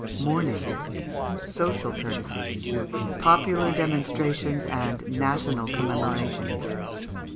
Mourning. Social Courtesies. Popular Demonstrations and National Commemorations.